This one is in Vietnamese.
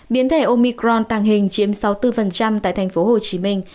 biến thể omicron tàng hình chiếm sáu mươi bốn tại thành phố hồ chí minh